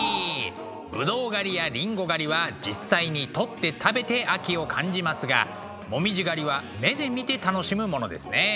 ブドウ狩りやリンゴ狩りは実際にとって食べて秋を感じますが紅葉狩りは目で見て楽しむものですね。